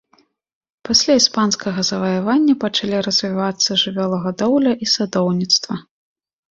Пасля іспанскага заваявання пачалі развівацца жывёлагадоўля і садоўніцтва.